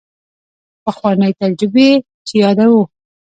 پخوانۍ تجربې چې یادوو.